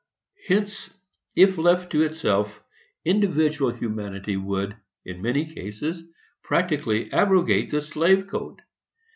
Hence, if left to itself, individual humanity would, in many cases, practically abrogate the slave code.